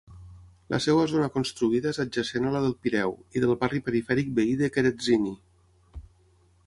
La seva zona construïda és adjacent a la del Pireu i del barri perifèric veí de Keratsini.